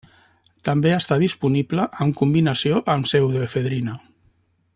També està disponible amb combinació amb pseudoefedrina.